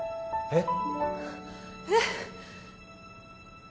えっ？